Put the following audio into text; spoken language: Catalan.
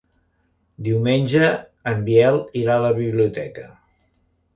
Diumenge en Biel irà a la biblioteca.